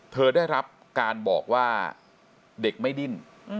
ได้รับการบอกว่าเด็กไม่ดิ้น